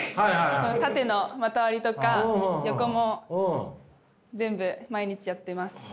縦の股割りとか横も全部毎日やっています。